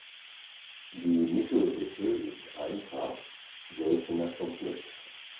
Die Mittelrippe ist einfach, seltener komplex.